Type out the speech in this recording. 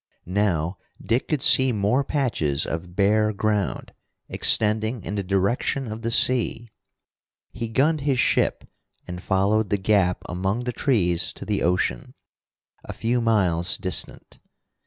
Now Dick could see more patches of bare ground, extending in the direction of the sea. He gunned his ship and followed the gap among the trees to the ocean, a few miles distant.